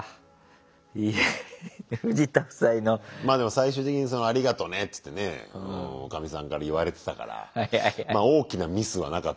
最終的に「ありがとね」っつってねおかみさんから言われてたから大きなミスはなかったんだろうけど。